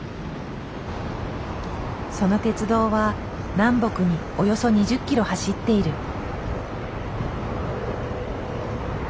その鉄道は南北におよそ２０キロ走っている。